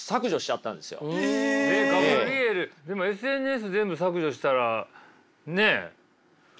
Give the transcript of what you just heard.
でもＳＮＳ全部削除したらねっ。